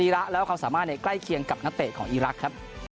ระและความสามารถใกล้เคียงกับนักเตะของอีรักษ์ครับ